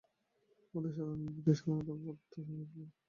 আমাদের সাধনার ভিত্তি, সাধনার পথ ও চরম ফল সবই হউক চৈতন্যময়।